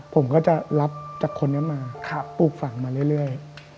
ผมก็จะรับจากคนนี้มาปลูกฝังมาเรื่อย